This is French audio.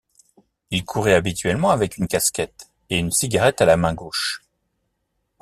Il courait habituellement avec une casquette et une cigarette à la main gauche.